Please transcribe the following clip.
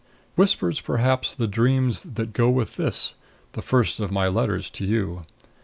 Whispers, perhaps, the dreams that go with this, the first of my letters to you.